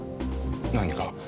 何か？